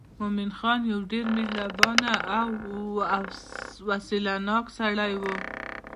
مومن خان یو ډېر مهربانه او وسیله ناکه سړی و.